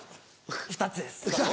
２つです。